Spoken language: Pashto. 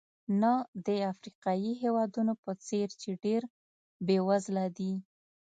نه د افریقایي هېوادونو په څېر چې ډېر بېوزله دي.